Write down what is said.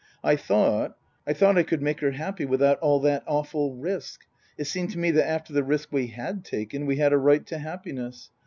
I thought I thought I could make her happy without all that awful risk. It seemed to me that after the risk we had taken we had a right to happiness.